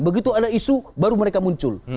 begitu ada isu baru mereka muncul